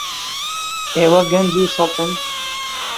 ئێوە گەنج و سەڵتن.